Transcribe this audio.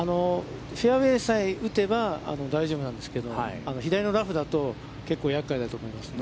フェアウェイさえ打てば大丈夫なんですけど、左のラフだと結構厄介だと思いますね。